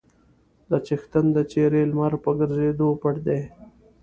د څښتن د څېرې لمر په ګرځېدو پټ دی.